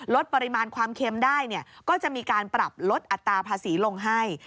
ลดปริมาณความเค็มได้ก็จะมีการปรับลดอัตราภาษีลงให้